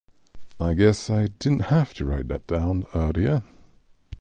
I guess I didn't have to write that down earlier.